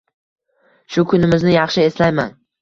Shu kunimizni yaxshi eslayman.